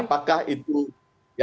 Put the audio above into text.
apakah itu ya